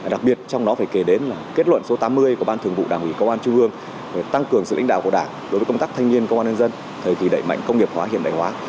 đặc biệt trong đó phải kể đến là kết luận số tám mươi của ban thường vụ đảng ủy công an trung ương về tăng cường sự lãnh đạo của đảng đối với công tác thanh niên công an nhân dân thời kỳ đẩy mạnh công nghiệp hóa hiện đại hóa